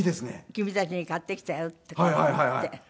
「君たちに買ってきたよ」ってこう言って。